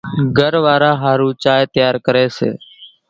گھر واران ماڻۿان ۿارُو چائيَ تيار ڪريَ سي۔